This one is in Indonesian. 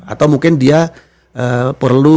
atau mungkin dia perlu